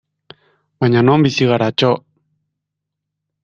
Baina non bizi gara, txo!